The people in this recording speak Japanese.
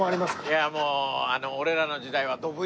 いやあもう俺らの時代は。